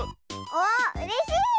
おっうれしい！